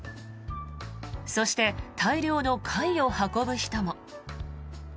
そして、大量の貝を運ぶ人も。